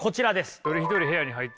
一人一人部屋に入ったね。